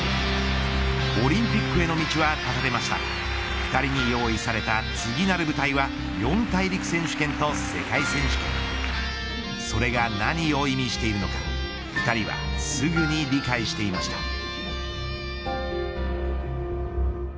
オリンピックへの道は絶たれましたが２人に用意された次なる舞台は四大陸選手権と世界選手権。それが何を意味しているのか２人はすぐに理解していました。